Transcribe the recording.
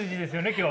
今日。